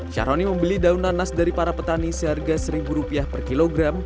syahroni membeli daun nanas dari para petani seharga rp satu per kilogram